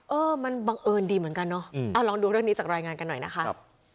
เออมันบังเอิญดีเหมือนกันเนอะลองดูเรื่องนี้จากรายงานกันหน่อยนะคะ